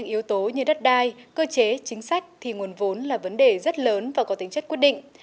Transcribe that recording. nếu chế chính sách thì nguồn vốn là vấn đề rất lớn và có tính chất quyết định